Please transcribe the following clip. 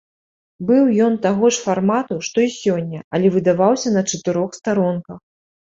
Быў ён таго ж фармату, што й сёння, але выдаваўся на чатырох старонках.